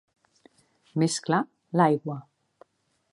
Més clar, l'aigua.